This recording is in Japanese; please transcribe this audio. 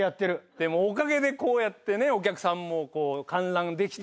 でもおかげでこうやってお客さんも観覧できて。